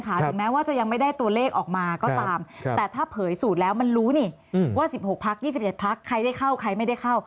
ก่อนถึงก้าวพฤษภาก็ร้องสารได้ไหม